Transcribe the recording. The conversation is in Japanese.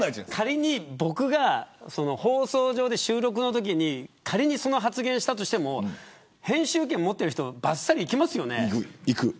仮に僕が収録のときにその発言をしたとしても編集権を持ってる人がばっさりいきますよね。